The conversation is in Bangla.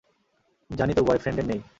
জানি তোর বয়ফ্রেন্ডের নেই।